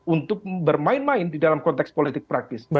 untuk bermain main di dalam konteks politik praktis